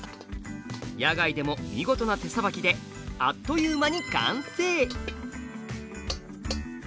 野外でも見事な手さばきであっという間に完成！